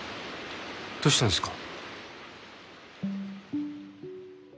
どうしたんですか？